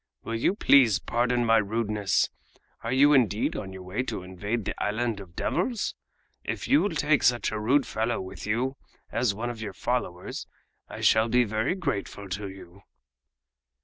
Will you please pardon my rudeness? Are you indeed on your way to invade the Island of Devils? If you will take such a rude fellow with you as one of your followers, I shall be very grateful to you."